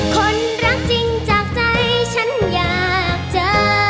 คนรักจริงจากใจฉันอยากเจอ